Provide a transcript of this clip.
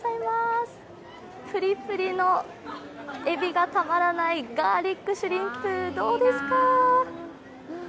フリフリのえびがたまらないガーリックシュリンプ、どうですか？